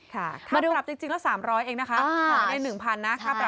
ค่ะค่าปรับจริงแล้ว๓๐๐เองนะคะขอได้๑๐๐๐นะค่าปรับ๓๐๐